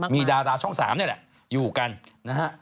มีดาราช่อง๓นี่แหละอยู่กันนะฮะ